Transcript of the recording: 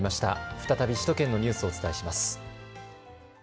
再び首都圏のニュースをお伝えします。